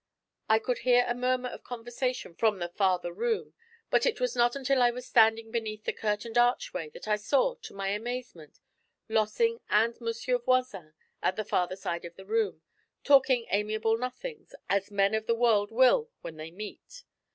I could hear a murmur of conversation from the farther room, but it was not until I was standing beneath the curtained archway that I saw, to my amazement, Lossing and Monsieur Voisin at the farther side of the room, talking amiable nothings, as men of the world will when they meet.